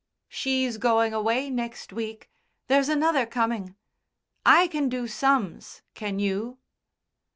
"She's going away next week. There's another coming. I can do sums, can you?"